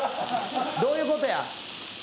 どういうことや？